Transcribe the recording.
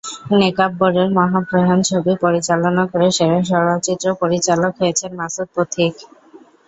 নেকাব্বরের মহাপ্রয়াণ ছবি পরিচালনা করে সেরা চলচ্চিত্র পরিচালক হয়েছেন মাসুদ পথিক।